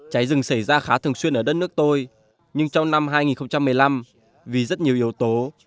cháy rừng xảy ra khá thường xuyên ở đất nước tôi nhưng trong năm hai nghìn một mươi năm vì rất nhiều yếu tố